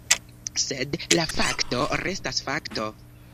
Sed la fakto restas fakto.